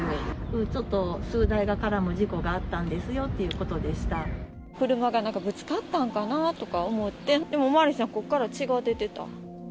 ちょっと数台が絡む事故があった車がなんか、ぶつかったんかなと思って、でもお巡りさん、ここから血が出てた。